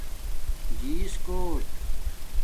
جیس کوٹ